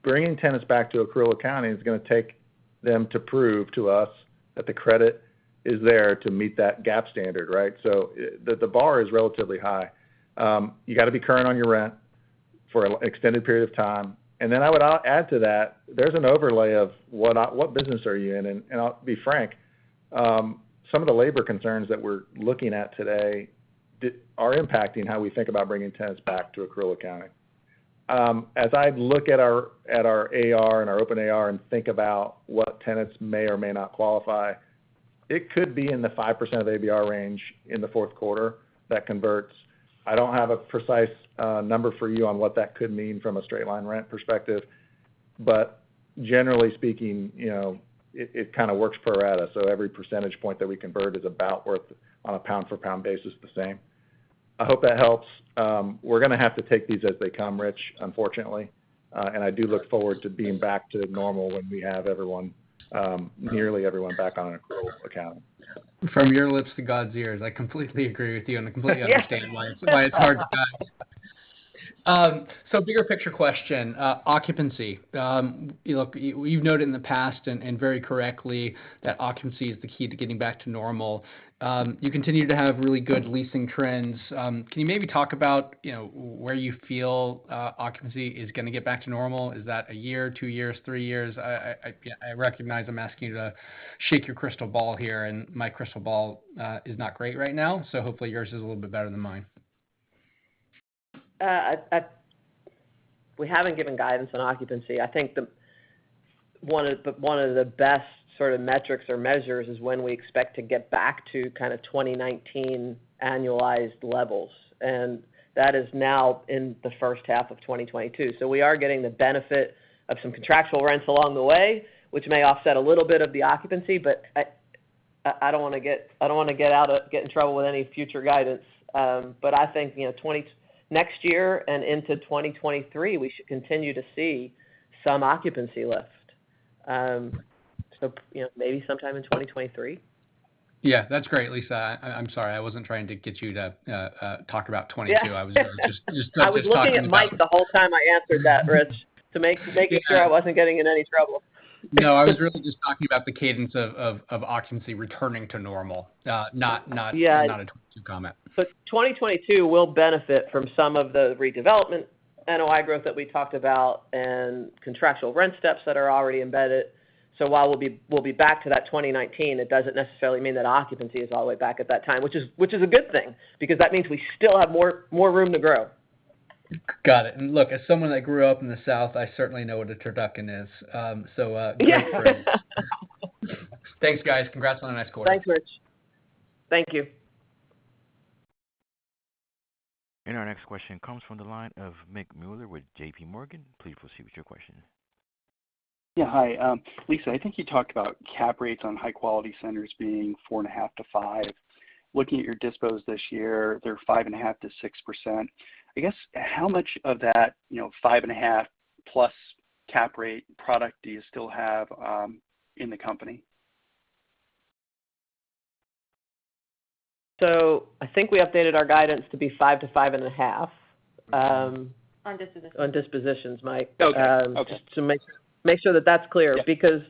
Bringing tenants back to accrual accounting is gonna take them to prove to us that the credit is there to meet that GAAP standard, right? The bar is relatively high. You gotta be current on your rent for an extended period of time. Then I would add to that, there's an overlay of what business are you in? I'll be frank, some of the labor concerns that we're looking at today are impacting how we think about bringing tenants back to accrual accounting. As I look at our, at our AR and our open AR and think about what tenants may or may not qualify, it could be in the 5% of ABR range in the fourth quarter that converts. I don't have a precise number for you on what that could mean from a straight line rent perspective. Generally speaking, you know, it kind of works pro rata. Every percentage point that we convert is about worth, on a pound-for-pound basis, the same. I hope that helps. We're gonna have to take these as they come, Rich, unfortunately. I do look forward to being back to normal when we have everyone, nearly everyone back on an accrual accounting. From your lips to God's ears. I completely agree with you, and I completely understand why it's hard to guide. Bigger picture question, occupancy. You know, you've noted in the past, and very correctly, that occupancy is the key to getting back to normal. You continue to have really good leasing trends. Can you maybe talk about, you know, where you feel occupancy is gonna get back to normal? Is that a year, two years, three years? Yeah, I recognize I'm asking you to shake your crystal ball here, and my crystal ball is not great right now, so hopefully yours is a little bit better than mine. We haven't given guidance on occupancy. I think one of the best sort of metrics or measures is when we expect to get back to kind of 2019 annualized levels. That is now in the first half of 2022. We are getting the benefit of some contractual rents along the way, which may offset a little bit of the occupancy. I don't wanna get in trouble with any future guidance. I think, you know, next year and into 2023, we should continue to see some occupancy lift. You know, maybe sometime in 2023. Yeah. That's great, Lisa. I'm sorry. I wasn't trying to get you to talk about 2022. Yeah. I was just talking about. I was looking at Mike the whole time I answered that, Rich, making sure I wasn't getting in any trouble. No, I was really just talking about the cadence of occupancy returning to normal. Yeah. Not a 2022 comment. 2022 will benefit from some of the redevelopment NOI growth that we talked about and contractual rent steps that are already embedded. While we'll be back to that 2019, it doesn't necessarily mean that occupancy is all the way back at that time, which is a good thing because that means we still have more room to grow. Got it. Look, as someone that grew up in the South, I certainly know what a turducken is. Yeah. Great. Thanks, guys. Congrats on a nice quarter. Thanks, Rich. Thank you. Our next question comes from the line of Mike Mueller with JPMorgan. Please proceed with your question. Hi, Lisa, I think you talked about cap rates on high quality centers being 4.5%-5%. Looking at your dispositions this year, they're 5.5%-6%. I guess, how much of that, you know, 5.5%+ cap rate product do you still have in the company? I think we updated our guidance to be 5%-5.5%. On dispositions. On dispositions, Mike. Okay. Okay. To make sure that that's clear. Yes. Because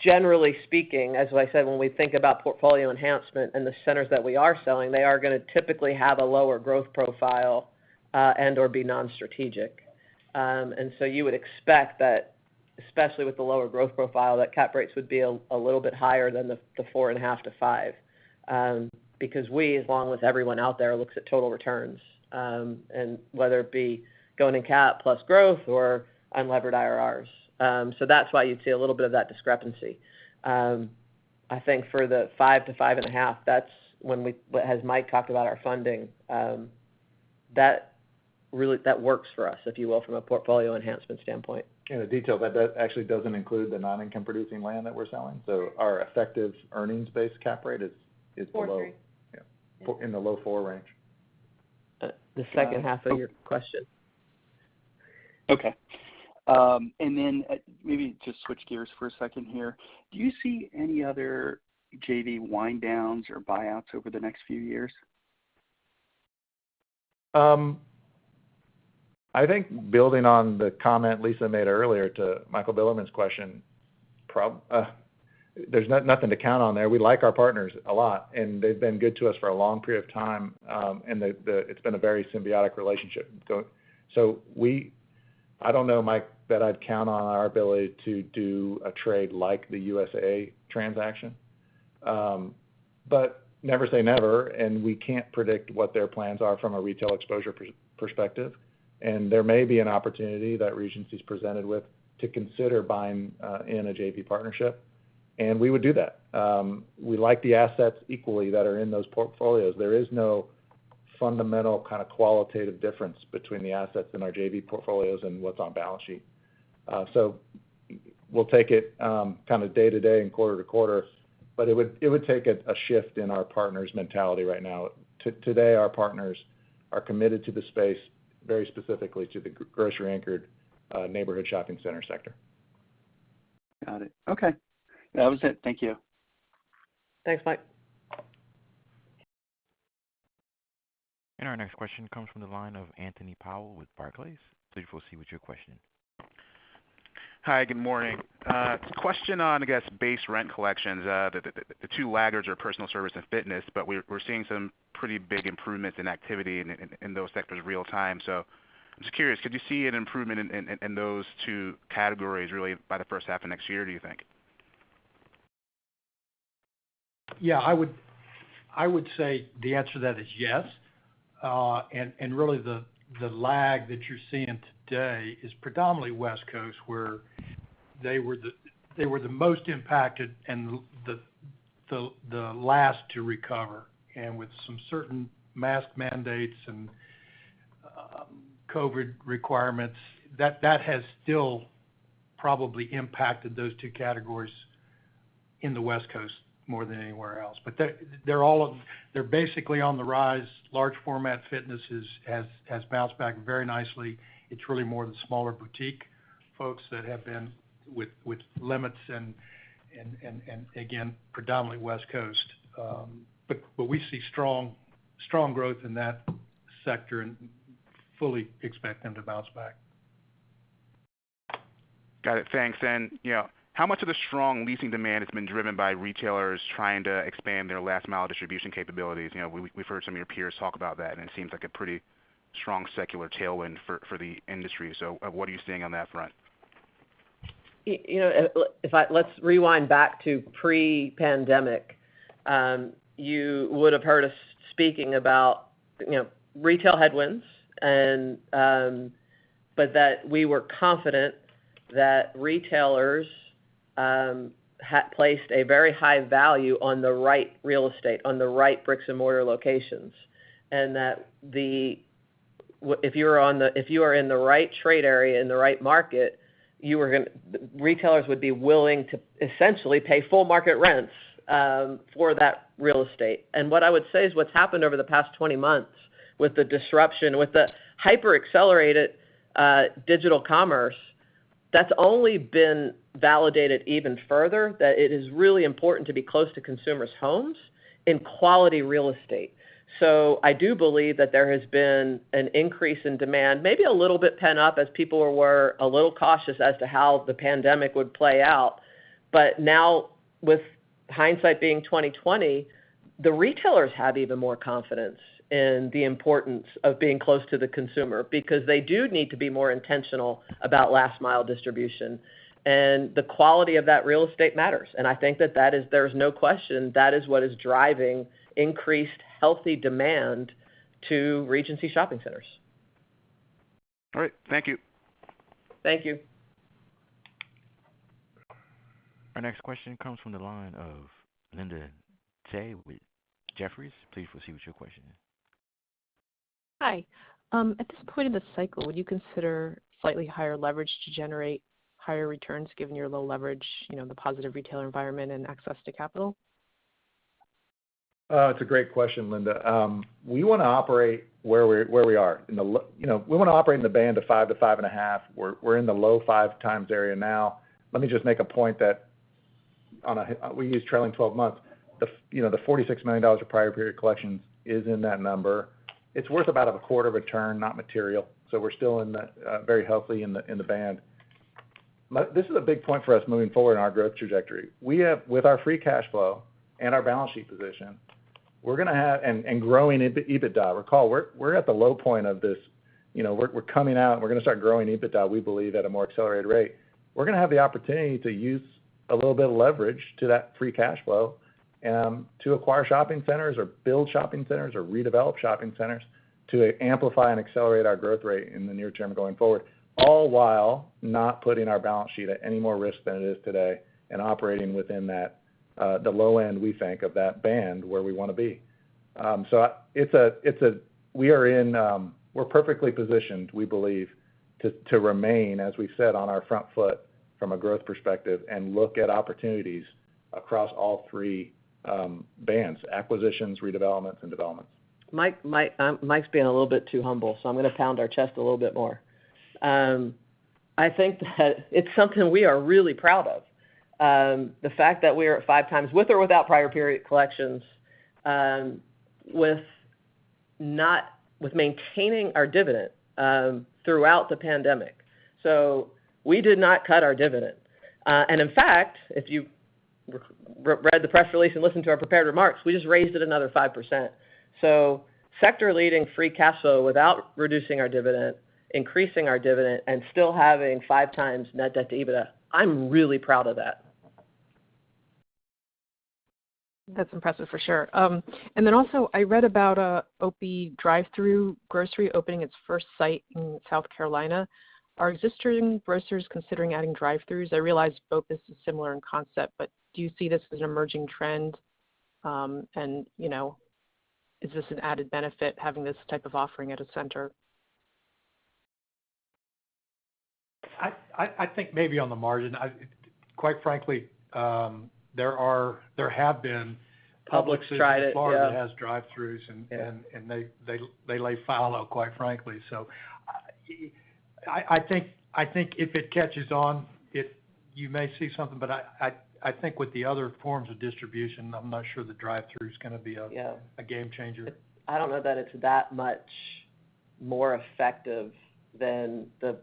generally speaking, as I said, when we think about portfolio enhancement and the centers that we are selling, they are gonna typically have a lower growth profile, and/or be non-strategic. You would expect that, especially with the lower growth profile, that cap rates would be a little bit higher than the 4.5%-5%, because we, along with everyone out there, looks at total returns, and whether it be going in cap plus growth or unlevered IRRs. That's why you'd see a little bit of that discrepancy. I think for the 5%-5.5%, that's when we, as Mike talked about our funding, that works for us, if you will, from a portfolio enhancement standpoint. The detail actually doesn't include the non-income producing land that we're selling. Our effective earnings-based cap rate is below- 4%-3%. Yeah. Yeah. In the low 4% range. The second half of your question. Okay. Maybe just switch gears for a second here. Do you see any other JV wind-downs or buyouts over the next few years? I think building on the comment Lisa made earlier to Michael Bilerman's question, there's nothing to count on there. We like our partners a lot, and they've been good to us for a long period of time, and it's been a very symbiotic relationship. I don't know, Mike, that I'd count on our ability to do a trade like the USAA transaction. But never say never, and we can't predict what their plans are from a retail exposure perspective. There may be an opportunity that Regency's presented with to consider buying in a JV partnership, and we would do that. We like the assets equally that are in those portfolios. There is no fundamental kind of qualitative difference between the assets in our JV portfolios and what's on balance sheet. We'll take it kind of day to day and quarter to quarter, but it would take a shift in our partners' mentality right now. Today, our partners are committed to the space very specifically to the grocery-anchored neighborhood shopping center sector. Got it. Okay. That was it. Thank you. Thanks, Mike. Our next question comes from the line of Anthony Powell with Barclays. Please proceed with your question. Hi, good morning. Question on, I guess, base rent collections. The two laggards are personal service and fitness, but we're seeing some pretty big improvements in activity in those sectors real time. So I'm just curious, could you see an improvement in those two categories really by the first half of next year, do you think? Yeah. I would say the answer to that is yes. Really the lag that you're seeing today is predominantly West Coast, where they were the most impacted and the last to recover. With some certain mask mandates and COVID requirements, that has still probably impacted those two categories in the West Coast more than anywhere else. But they're all. They're basically on the rise. Large format fitness has bounced back very nicely. It's really more the smaller boutique folks that have been with limits and again, predominantly West Coast. But we see strong growth in that sector and fully expect them to bounce back. Got it. Thanks. You know, how much of the strong leasing demand has been driven by retailers trying to expand their last mile distribution capabilities? You know, we've heard some of your peers talk about that, and it seems like a pretty strong secular tailwind for the industry. What are you seeing on that front? You know, let's rewind back to pre-pandemic. You would have heard us speaking about, you know, retail headwinds and, but that we were confident that retailers placed a very high value on the right real estate, on the right bricks and mortar locations, and that if you are in the right trade area, in the right market, retailers would be willing to essentially pay full market rents for that real estate. What I would say is what's happened over the past 20 months with the disruption, with the hyper-accelerated digital commerce, that's only been validated even further, that it is really important to be close to consumers' homes in quality real estate. I do believe that there has been an increase in demand, maybe a little bit pent up as people were a little cautious as to how the pandemic would play out. Now with hindsight being 20/20, the retailers have even more confidence in the importance of being close to the consumer because they do need to be more intentional about last mile distribution. The quality of that real estate matters, and I think that there is no question that is what is driving increased healthy demand to Regency shopping centers. All right. Thank you. Thank you. Our next question comes from the line of Linda Tsai with Jefferies. Please proceed with your question. Hi. At this point in the cycle, would you consider slightly higher leverage to generate higher returns given your low leverage, you know, the positive retailer environment and access to capital? It's a great question, Linda. We wanna operate where we are. In the low, you know, we wanna operate in the band of 5%-5.5%. We're in the low 5x area now. Let me just make a point that on a we use trailing 12 months. You know, the $46 million of prior period collection is in that number. It's worth about a quarter of a turn, not material. So we're still very healthily in the band. But this is a big point for us moving forward in our growth trajectory. We have with our free cash flow and our balance sheet position, we're gonna have and growing EBITDA. Recall, we're at the low point of this. You know, we're coming out. We're gonna start growing EBITDA, we believe, at a more accelerated rate. We're gonna have the opportunity to use a little bit of leverage to that free cash flow to acquire shopping centers or build shopping centers or redevelop shopping centers to amplify and accelerate our growth rate in the near term going forward, all while not putting our balance sheet at any more risk than it is today and operating within that, the low end, we think, of that band where we wanna be. We're perfectly positioned, we believe, to remain, as we said, on our front foot from a growth perspective and look at opportunities across all three bands, acquisitions, redevelopments and developments. Mike's being a little bit too humble, so I'm gonna pound our chest a little bit more. I think that it's something we are really proud of. The fact that we're at 5x with or without prior period collections, with maintaining our dividend, throughout the pandemic. We did not cut our dividend. In fact, if you read the press release and listened to our prepared remarks, we just raised it another 5%. Sector-leading free cash flow without reducing our dividend, increasing our dividend and still having 5x net debt to EBITDA, I'm really proud of that. That's impressive for sure. I read about OPIE Drive-Thru Grocery opening its first site in South Carolina. Are existing grocers considering adding drive-thrus? I realize both is similar in concept, but do you see this as an emerging trend? You know, is this an added benefit having this type of offering at a center? I think maybe on the margin. Quite frankly, there have been- Publix tried it, yeah. as far as it has drive-throughs and Yeah they lay fallow, quite frankly. I think if it catches on, it, you may see something, but I think with the other forms of distribution, I'm not sure the drive-through is gonna be a- Yeah a game changer. I don't know that it's that much more effective than the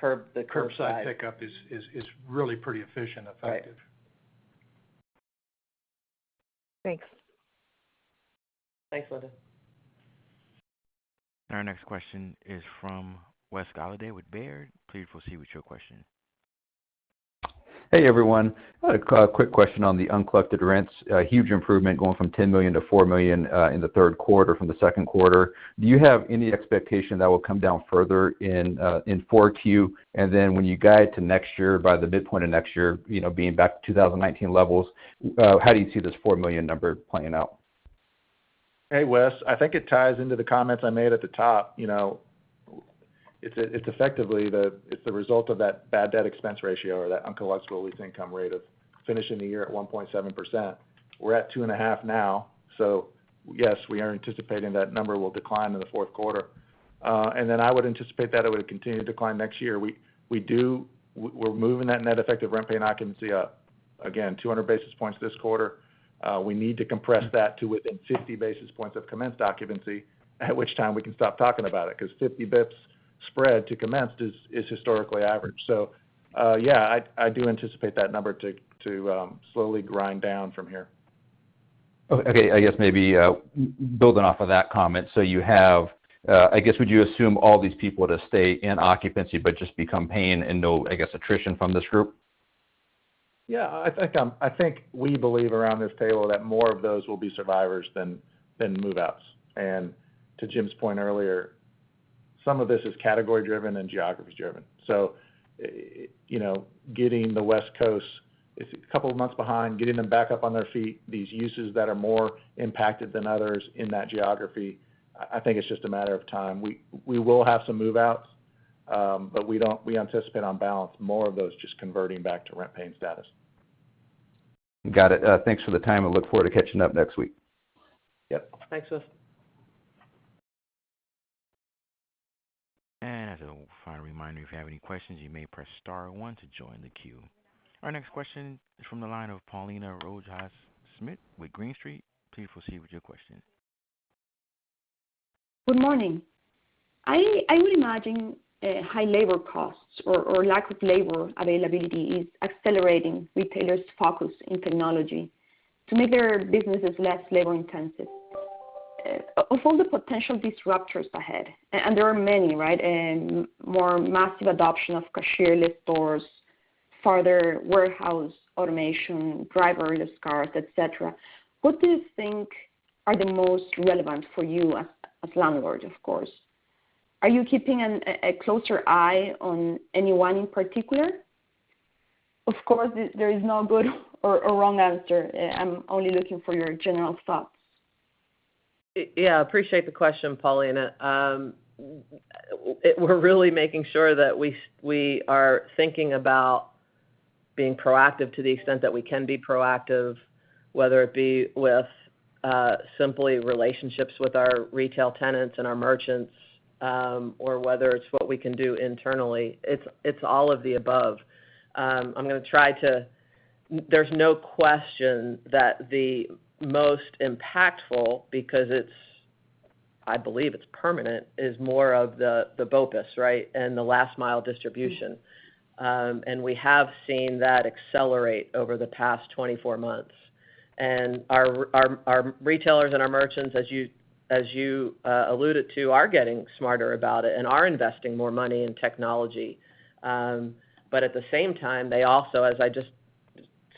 curbside. Curbside pickup is really pretty efficient and effective. Right. Thanks. Thanks, Linda. Our next question is from Wes Golladay with Baird. Please proceed with your question. Hey, everyone. I had a quick question on the uncollected rents. A huge improvement going from $10 million-$4 million in the third quarter from the second quarter. Do you have any expectation that will come down further in 4Q? When you guide to next year, by the midpoint of next year, you know, being back to 2019 levels, how do you see this $4 million number playing out? Hey, Wes. I think it ties into the comments I made at the top. It's effectively the result of that bad debt expense ratio or that uncollectible lease income rate of finishing the year at 1.7%. We're at 2.5% now, so yes, we are anticipating that number will decline in the fourth quarter. I would anticipate that it would continue to decline next year. We're moving that net effect of rent paying occupancy up again 200 basis points this quarter. We need to compress that to within 50 basis points of commenced occupancy, at which time we can stop talking about it, because 50 basis points spread to commenced is historically average. I do anticipate that number to slowly grind down from here. Okay. I guess maybe, building off of that comment, I guess, would you assume all these people to stay in occupancy but just become paying and no, I guess, attrition from this group? Yeah, I think we believe around this table that more of those will be survivors than move-outs. To Jim's point earlier, some of this is category driven and geography driven. You know, getting the West Coast is a couple of months behind, getting them back up on their feet, these uses that are more impacted than others in that geography, I think it's just a matter of time. We will have some move-outs, but we anticipate on balance more of those just converting back to rent paying status. Got it. Thanks for the time, and look forward to catching up next week. Yep. Thanks, Wes. As a final reminder, if you have any questions, you may press star one to join the queue. Our next question is from the line of Paulina Rojas Schmidt with Green Street. Please proceed with your question. Good morning. I would imagine high labor costs or lack of labor availability is accelerating retailers' focus in technology to make their businesses less labor-intensive. Of all the potential disruptors ahead, and there are many, right? More massive adoption of cashierless stores, further warehouse automation, driverless cars, et cetera. What do you think are the most relevant for you as landlord, of course? Are you keeping a closer eye on any one in particular? Of course, there is no good or wrong answer. I'm only looking for your general thoughts. Yeah, appreciate the question, Paulina. We're really making sure that we are thinking about being proactive to the extent that we can be proactive, whether it be with simply relationships with our retail tenants and our merchants, or whether it's what we can do internally. It's all of the above. There's no question that the most impactful, because I believe it's permanent, is more of the BOPUS, right? The last mile distribution. We have seen that accelerate over the past 24 months. Our retailers and our merchants, as you alluded to, are getting smarter about it and are investing more money in technology. At the same time, they also, as I just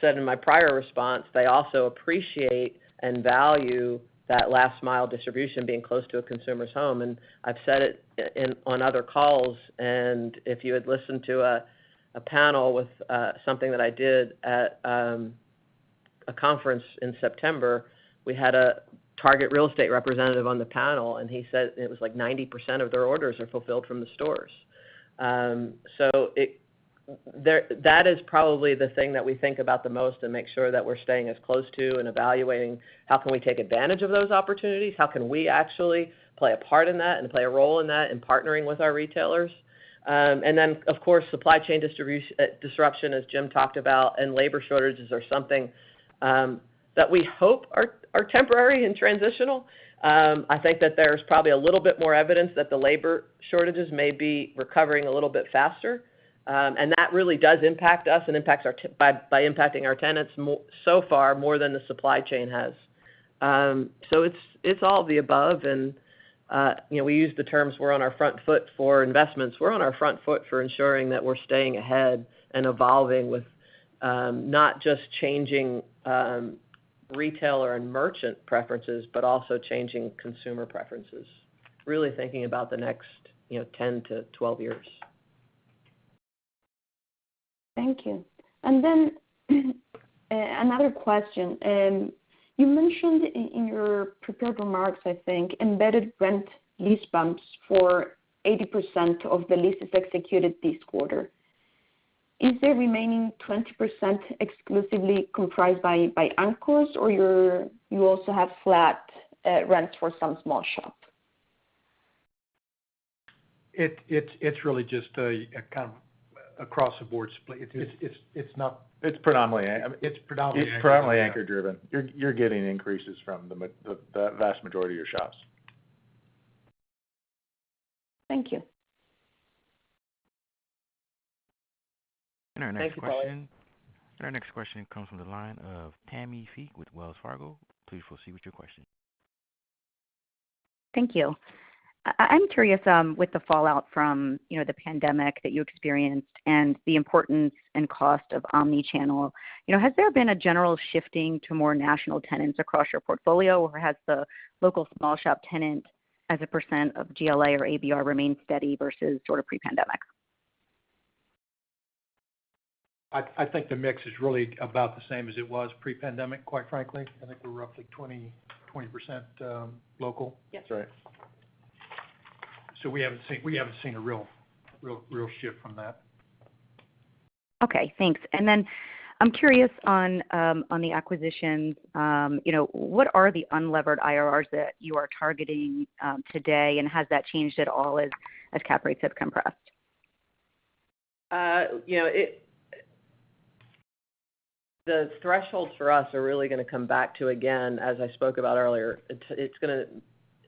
said in my prior response, they also appreciate and value that last mile distribution being close to a consumer's home. I've said it on other calls, and if you had listened to a panel with something that I did at a conference in September, we had a target real estate representative on the panel, and he said it was like 90% of their orders are fulfilled from the stores. That is probably the thing that we think about the most and make sure that we're staying as close to and evaluating how can we take advantage of those opportunities, how can we actually play a part in that and play a role in that in partnering with our retailers. Of course, supply chain disruption, as Jim talked about, and labor shortages are something that we hope are temporary and transitional. I think that there's probably a little bit more evidence that the labor shortages may be recovering a little bit faster, and that really does impact us and impacts us by impacting our tenants so far more than the supply chain has. So it's all of the above. You know, we use the terms we're on our front foot for investments. We're on our front foot for ensuring that we're staying ahead and evolving with not just changing retailer and merchant preferences, but also changing consumer preferences, really thinking about the next 10-12 years. Thank you. Another question. You mentioned in your prepared remarks, I think, embedded rent lease bumps for 80% of the leases executed this quarter. Is the remaining 20% exclusively comprised by anchors, or you also have flat rents for some small shop? It's really just a kind of across-the-board split. It's not- It's predominantly. It's predominantly. It's predominantly anchor driven. You're getting increases from the vast majority of your shops. Thank you. Thank you, Paulina. Our next question comes from the line of Tammi Fique with Wells Fargo. Please proceed with your question. Thank you. I'm curious, with the fallout from, you know, the pandemic that you experienced and the importance and cost of omni-channel, you know, has there been a general shifting to more national tenants across your portfolio, or has the local small shop tenant as a percent of GLA or ABR remained steady versus sort of pre-pandemic? I think the mix is really about the same as it was pre-pandemic, quite frankly. I think we're roughly 20% local. That's right. We haven't seen a real shift from that. Okay, thanks. I'm curious on the acquisitions, you know, what are the unlevered IRRs that you are targeting today, and has that changed at all as cap rates have compressed? You know, the thresholds for us are really gonna come back to, again, as I spoke about earlier, it's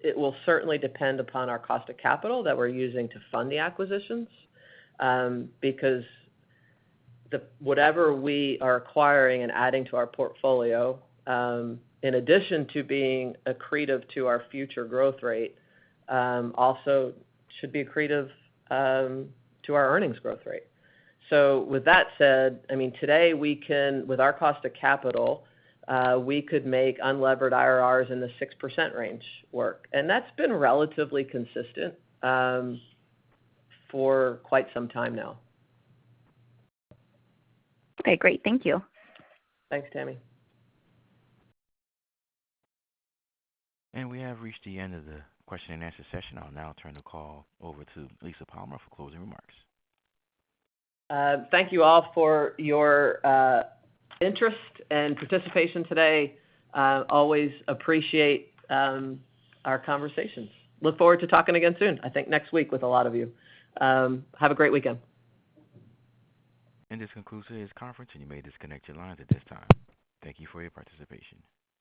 gonna—it will certainly depend upon our cost of capital that we're using to fund the acquisitions, because whatever we are acquiring and adding to our portfolio, in addition to being accretive to our future growth rate, also should be accretive to our earnings growth rate. With that said, I mean, today, with our cost of capital, we could make unlevered IRRs in the 6% range work. That's been relatively consistent for quite some time now. Okay, great. Thank you. Thanks, Tammi. We have reached the end of the question-and-answer session. I'll now turn the call over to Lisa Palmer for closing remarks. Thank you all for your interest and participation today. Always appreciate our conversations. Look forward to talking again soon. I think next week with a lot of you. Have a great weekend. This concludes today's conference, and you may disconnect your lines at this time. Thank you for your participation.